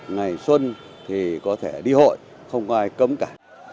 ngày xuân thì có thể đi hội không có ai cấm cả